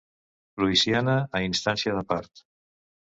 Louisiana a instància de part